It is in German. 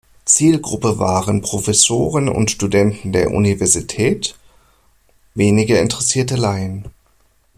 Zielgruppe waren Professoren und Studenten der Universität, weniger interessierte Laien.